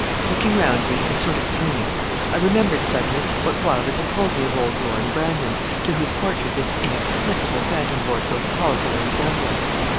Looking round me, in a sort of dream, I remembered suddenly what Wylder had told me of old Lorne Brandon, to whose portrait this inexplicable phantom bore so powerful a resemblance.